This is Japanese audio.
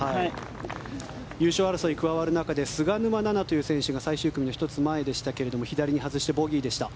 優勝争いに加わる中で菅沼菜々という選手が最終組の１つ前でしたが左に外してボギーでした。